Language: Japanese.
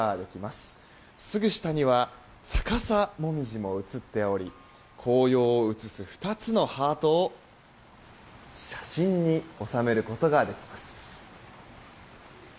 すぐ下には、逆さもみじも映っており紅葉を映す２つのハートを写真に収めることができます。